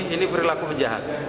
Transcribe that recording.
ini perilaku penjahat